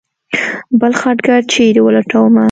بل خټګر چېرې ولټومه.